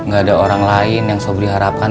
ga ada orang lain yang sobri harapkan